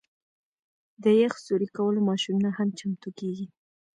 د یخ سوري کولو ماشینونه هم چمتو کیږي